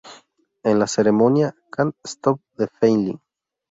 En la ceremonia, "Can't Stop the Feeling!